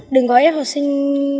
đừng có ép học sinh